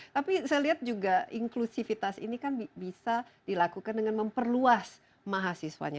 tapi saya lihat juga inklusivitas ini kan bisa dilakukan dengan memperluas mahasiswanya